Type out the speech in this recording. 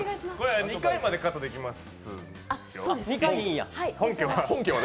２回までカットできますよ、本家は。